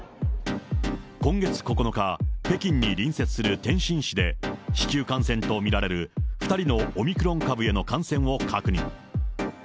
今月９日、北京に隣接する天津市で、市中感染と見られる、２人のオミクロン株への感染を確認。